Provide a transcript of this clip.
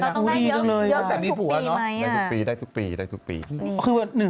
ต้องได้เยอะซึ่งทุกปีรึงแล้วก็เหมือนกัน